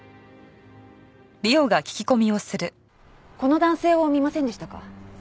この男性を見ませんでしたか？